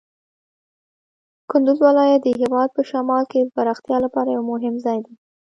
کندز ولایت د هېواد په شمال کې د پراختیا لپاره یو مهم ځای دی.